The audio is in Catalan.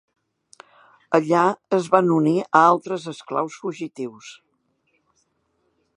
Allà es van unir a altres esclaus fugitius.